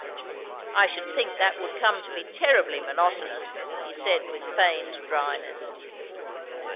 "I should think that would come to be terribly monotonous!" he said with feigned dryness.